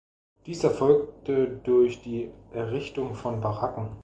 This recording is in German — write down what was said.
Dies erfolgte durch die Errichtung von Baracken.